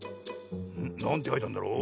なんてかいてあんだろう？